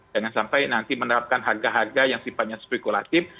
jangan sampai nanti menerapkan harga harga yang sifatnya spekulatif